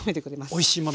おいしいものを？